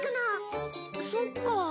そっか。